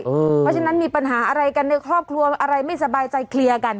เพราะฉะนั้นมีปัญหาอะไรกันในครอบครัวอะไรไม่สบายใจเคลียร์กัน